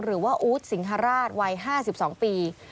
หรือว่าอู๊ดสิงฮราชวัย๕๒ปี